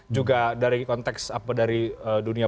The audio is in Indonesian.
juga dari konteks apa dari dunia